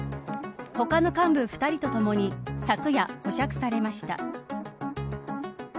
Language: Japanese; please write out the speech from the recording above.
他の幹部２人とともに昨夜、保釈されました。